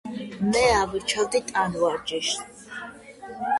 მე ავირჩევდი ტანვარჯიშს